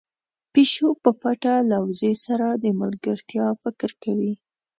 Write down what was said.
پيشو په پټه له وزې سره د ملګرتيا فکر کوي.